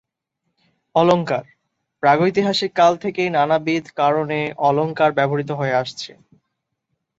অলঙ্কার প্রাগৈতিহাসিক কাল থেকেই নানাবিধ কারণে অলঙ্কার ব্যবহূত হয়ে আসছে।